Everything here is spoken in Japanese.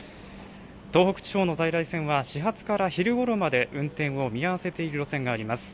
東北地方の在来線は始発から昼ごろまで運転を見合わせている路線があります。